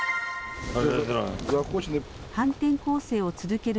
反転攻勢を続ける